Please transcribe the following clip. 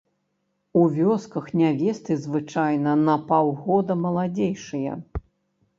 У вёсках нявесты звычайна на паўгода маладзейшыя.